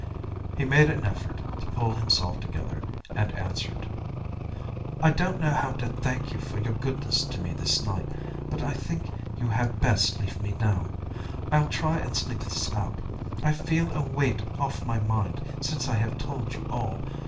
He made an effort to pull himself together, and answered: "I don't know how to thank you for your goodness to me this night, but I think you had best leave me now. I'll try and sleep this out; I feel a weight off my mind since I have told you all.